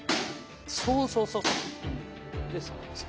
そうそうそうそう。